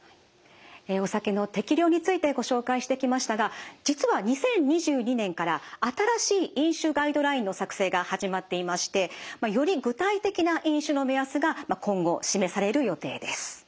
えお酒の適量についてご紹介してきましたが実は２０２２年から新しい飲酒ガイドラインの作成が始まっていましてより具体的な飲酒の目安が今後示される予定です。